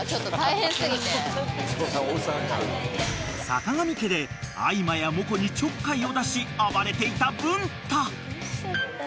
［坂上家であいまやモコにちょっかいを出し暴れていた文太］